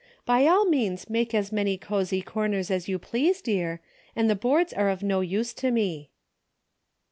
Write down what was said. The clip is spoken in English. By all means make as many cozy corners as you please, dear, and the boards are of no use to me."